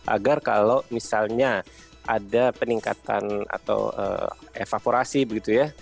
agar kalau misalnya ada peningkatan atau evaporasi begitu ya